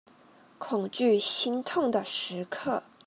恐懼心痛的時刻